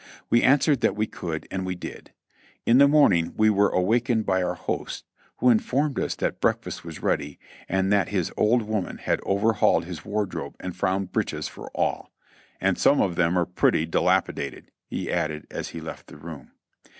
We answered that we could, and we did. In the morning we were awakened by our host, who informed us that breakfast was ready and that his "old woman" had over hauled his wardrobe and found breeches for all. "And some of them are pretty dilapidated," he added as he left the room.